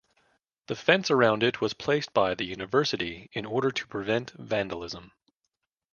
The fence around it was placed by the university in order to prevent vandalism.